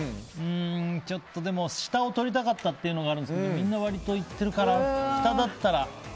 でも下を取りたかったというのがあるんですけどみんな割といってるかな下だったら。